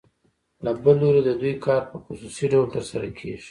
له بل لوري د دوی کار په خصوصي ډول ترسره کېږي